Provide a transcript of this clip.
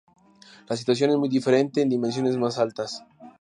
La situación es muy diferente en dimensiones más altas.